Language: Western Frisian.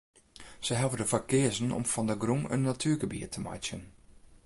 Sy hawwe der foar keazen om fan de grûn in natuergebiet te meitsjen.